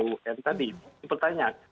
um tadi ini pertanyaan